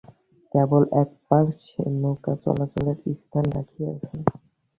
কেবল একপার্শ্বে নৌকা চলাচলের স্থান রাখিয়াছে।